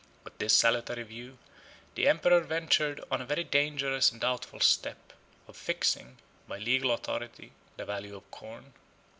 With this salutary view, the emperor ventured on a very dangerous and doubtful step, of fixing, by legal authority, the value of corn.